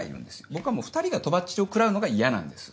僕はもう２人がとばっちりを食らうのが嫌なんです。